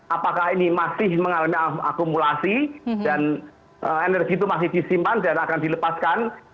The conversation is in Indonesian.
apakah ini masih mengalami akumulasi dan energi itu masih disimpan dan akan dilepaskan